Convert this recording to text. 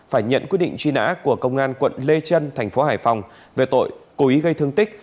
phải nhận quyết định truy nã của công an quận lê trân thành phố hải phòng về tội cố ý gây thương tích